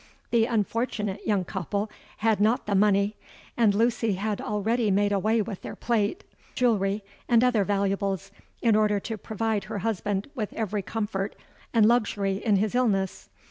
The unfortunate young couple had not the money; and Lucy had already made away with their plate, jewellery, and other valuables in order to provide her husband with every comfort and luxury in his illness.